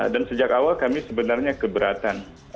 dan sejak awal kami sebenarnya keberatan